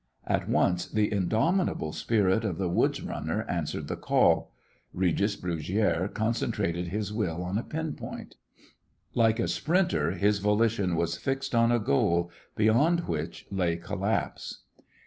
At once the indomitable spirit of the woods runner answered the call. Regis Brugiere concentrated his will on a pinpoint. Like a sprinter his volition was fixed on a goal, beyond which lay collapse.